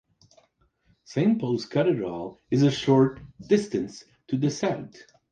Saint Paul's Cathedral is a short distance to the south.